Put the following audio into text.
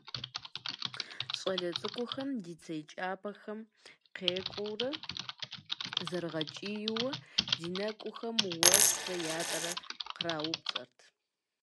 ЩӀалэ цӀыкӀухэм, ди цей кӀапэхэм къекъуурэ, зэрыгъэкӀийуэ ди нэкӀухэм уэсрэ ятӀэрэ къраупцӀэрт.